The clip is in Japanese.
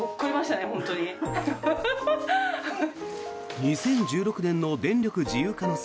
２０１６年の電力自由化の際